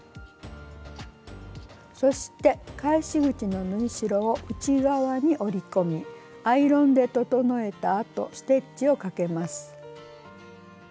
そして返し口の縫い代を内側に折り込みアイロンで整えたあとステッチをかけます。